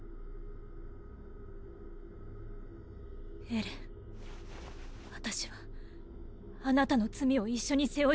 エレン私はあなたの罪を一緒に背負いたい。